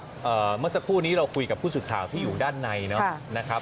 เมื่อสักครู่นี้เราคุยกับผู้สื่อข่าวที่อยู่ด้านในนะครับ